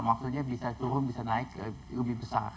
maksudnya bisa turun bisa naik lebih besar